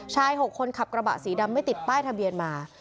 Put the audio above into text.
๖คนขับกระบะสีดำไม่ติดป้ายทะเบียนมา